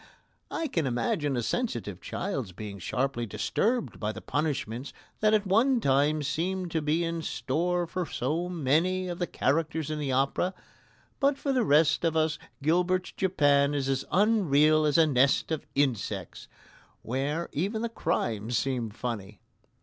I can imagine a sensitive child's being sharply disturbed by the punishments that at one time seem to be in store for so many of the characters in the opera. But for the rest of us Gilbert's Japan is as unreal as a nest of insects, where even the crimes seem funny.